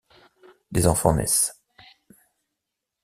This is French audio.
Des enfants naissent.